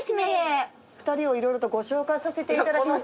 ２人をいろいろとご紹介させていただきます。